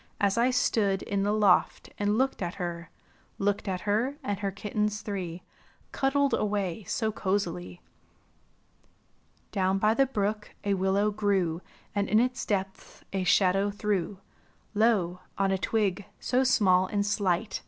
As I stood in the loft and looked at her; Looked at her and her kittens three Cuddled away so cozily. Down by the brook a willow grew And in its depths a shadow threw; Lo, on a twig, so small and slight.